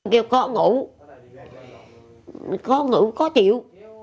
điều khó ngủ khó ngủ khó chịu